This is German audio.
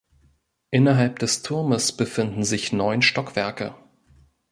Innerhalb des Turmes befinden sich neun Stockwerke.